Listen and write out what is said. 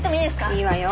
いいわよ。